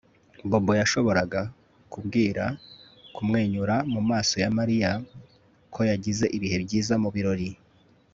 Bobo yashoboraga kubwira kumwenyura mu maso ya Mariya ko yagize ibihe byiza mu birori